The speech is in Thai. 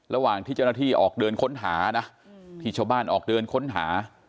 ระหว่างที่เจ้าหน้าที่ออกเดินค้นหานะที่ชาวบ้านออกเดินค้นหา